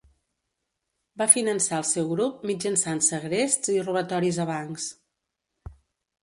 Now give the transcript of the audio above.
Va finançar el seu grup mitjançant segrests i robatoris a bancs.